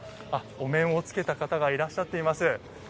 お面をつけた方がいらっしゃっています。